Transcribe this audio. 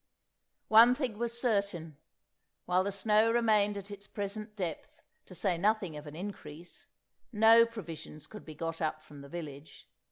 One thing was certain: while the snow remained at its present depth, to say nothing of an increase, no provisions could be got up from the village.